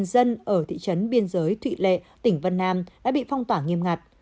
hai trăm linh dân ở thị trấn biên giới thụy lệ tỉnh vân nam đã bị phong tỏa nghiêm ngặt